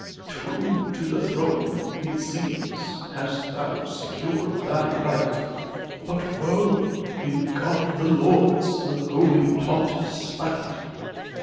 True, to the throne, it seems, hast thou secured thy right; But, woe ! in God the Lord's, the Holy PontiflPs spite.